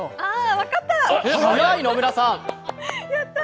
わかった！